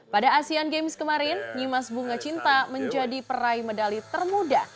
pada asean games kemarin nyimas bunga cinta menjadi peraih medali termuda